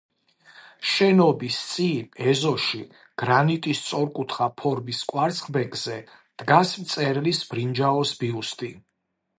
შენობის წინ, ეზოში, გრანიტის სწორკუთხა ფორმის კვარცხლბეკზე დგას მწერლის ბრინჯაოს ბიუსტი.